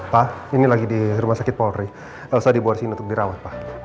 pak ini lagi di rumah sakit polri elsa dibuat sini untuk dirawat pak